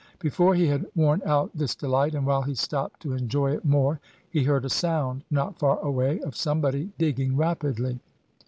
Before he had worn out this delight, and while he stopped to enjoy it more, he heard a sound, not far away, of somebody digging rapidly.